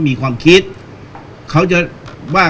การสำรรค์ของเจ้าชอบใช่